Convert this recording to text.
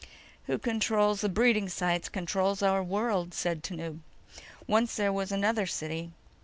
_ "Who controls the breeding sites controls our world," said Tanub. "Once there was another city.